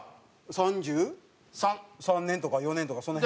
３０３年とか４年とかその辺？